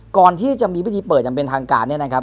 ก่อนที่จะมีวิธีเปิดทางการเนี่ยนะครับ